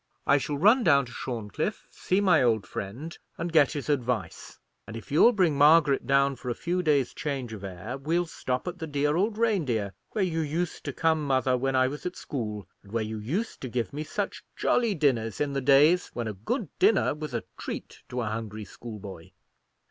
I shall run down to Shorncliffe, see my old friend, and get has advice; and if you'll bring Margaret down for a few days' change of air, we'll stop at the dear old Reindeer, where you used to come, mother, when I was at school, and where you used to give me such jolly dinners in the days when a good dinner was a treat to a hungry schoolboy."